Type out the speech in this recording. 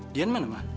dian mana mbak